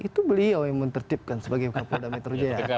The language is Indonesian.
itu beliau yang menertibkan sebagai kapolda metro jaya